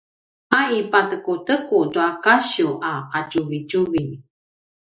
a i patekuteku tua kasiw a qatjuvitjuvi